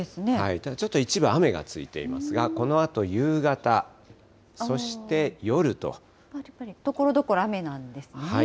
ただちょっと一部、雨がついていますが、このあと夕方、そしところどころ雨なんですね。